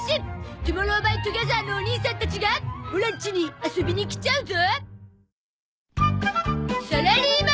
ＴＯＭＯＲＲＯＷＸＴＯＧＥＴＨＥＲ のお兄さんたちがオラんちに遊びに来ちゃうゾ！